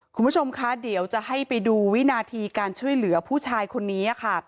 คุณผู้ชมคะเดี๋ยวจะให้ไปดูวินาทีการช่วยเหลือผู้ชายคนนี้ค่ะ